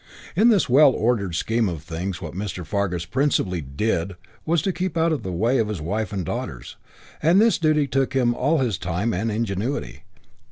In this well ordered scheme of things what Mr. Fargus principally "did" was to keep out of the way of his wife and daughters, and this duty took him all his time and ingenuity.